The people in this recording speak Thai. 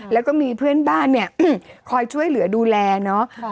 แล้วก็มีเพื่อนบ้านเนี่ยคอยช่วยเหลือดูแลเนาะ